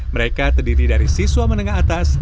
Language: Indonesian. mereka terdiri dari siswa menengah atas